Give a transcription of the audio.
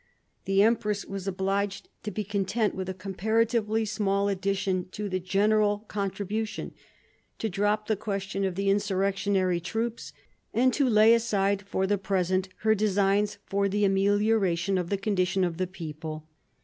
The empress was obliged to be content with a comparatively small addition to the general contribution, to drop the question of the insurrectionary troops, and to lay aside for the present her designs for the amelioration of the condition of the people.